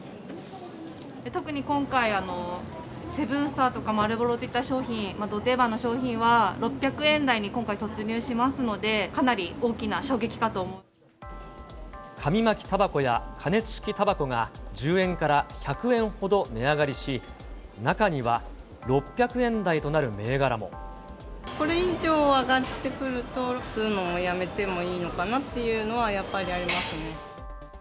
特に今回、セブンスターとかマールボロといった商品、ど定番の商品は６００円台に今回突入しますので、かなり大きな衝紙巻きたばこや加熱式たばこが１０円から１００円ほど値上がりし、中には、６００円台となるこれ以上上がってくると、吸うのをやめてもいいのかなっていうのはやっぱりありますね。